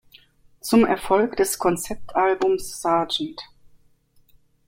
Zum Erfolg des Konzeptalbums "Sgt.